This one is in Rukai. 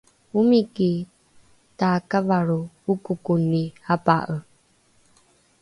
omiki takavalro okokoni apa’e